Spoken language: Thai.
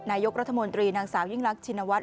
นายกรัฐมนตรีนางสาวยิ่งรักชินวัฒ